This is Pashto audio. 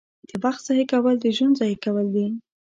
• د وخت ضایع کول د ژوند ضایع کول دي.